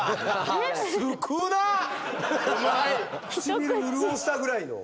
唇潤したぐらいの。